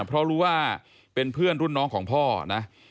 เพราะรู้ว่าเป็นเพื่อนรุ่นน้องของพ่อนะ